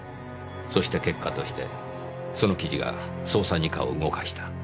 そして結果としてその記事が捜査二課を動かした。